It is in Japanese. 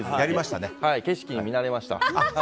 景色、見慣れました。